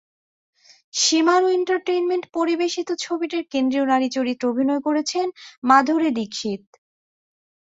শিমারু entertainment পরিবেশিত ছবিটির কেন্দ্রীয় নারী চরিত্রে অভিনয় করেছেন মাধুরী দীক্ষিত।